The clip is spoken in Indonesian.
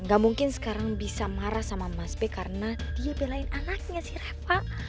gak mungkin sekarang bisa marah sama mas b karena dia belain anaknya sih reva